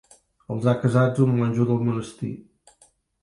Els ha casats un monjo del monestir.